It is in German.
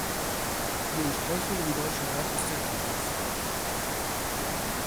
Die Entsprechung im Deutschen Blatt ist der Daus.